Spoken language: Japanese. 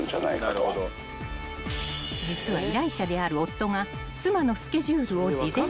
［実は依頼者である夫が］